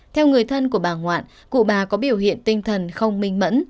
theo người thân của bà ngoạn cụ bà có biểu hiện tinh thần không minh mẫn